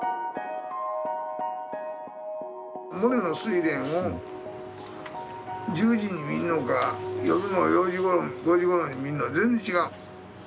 モネの「睡蓮」を１０時に見るのか夜の４時ごろ５時ごろに見るのは全然違う。